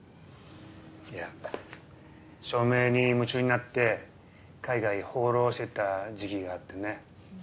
いや照明に夢中になって海外放浪してた時期があってね。